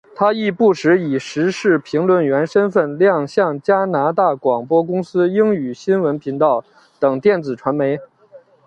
她亦不时以时事评论员身份亮相加拿大广播公司英语新闻频道等电子传媒。